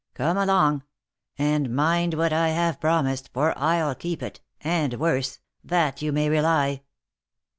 Come along !— and mind what I have promised, for I'll keep it, and worse, that you may rely."